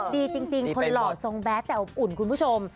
ดีจริงคนหล่อทรงแบทแต่อบอุ่นคุณผู้ชม